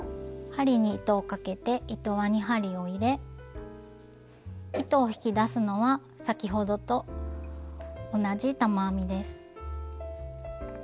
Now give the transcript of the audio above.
針に糸をかけて糸輪に針を入れ糸を引き出すのは先ほどと同じ玉編みです。